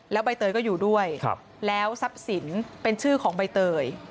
แล้วใบเตยก็อยู่ด้วยแล้วทรัพย์สินเป็นชื่อของใบเตย